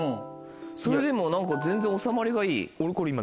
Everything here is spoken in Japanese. それでも全然収まりがいい。